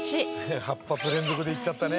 ８発連続でいっちゃったね。